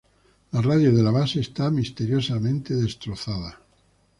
La radio de la base está misteriosamente destrozada.